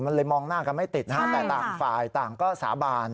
มันเลยมองหน้ากันไม่ติดนะฮะแต่ต่างฝ่ายต่างก็สาบาน